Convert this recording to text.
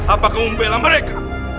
apakah umbelah mereka